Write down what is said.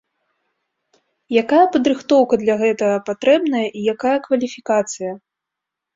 Якая падрыхтоўка для гэтага патрэбная і якая кваліфікацыя?